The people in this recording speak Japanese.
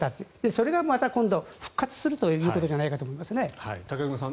それがまた今後復活するということじゃないかと武隈さん